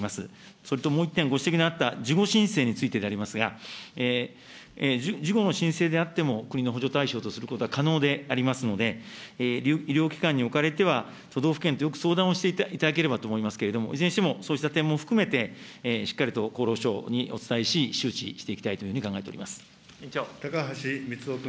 それともう一点、ご指摘のあった事後申請についてでありますが、事後の申請であっても国の補助対象とすることは可能でありますので、医療機関におかれては、都道府県とよく相談をしていただければと思いますけれども、いずれにしても、そうした点も含めて、しっかりと厚労省にお伝えをし、周知していきたいというふうに考え高橋光男君。